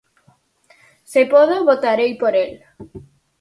Se podo, votarei por el.